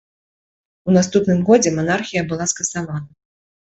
У наступным годзе манархія была скасавана.